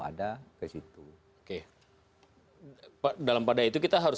ada ke situ oke dalam pada itu kita harus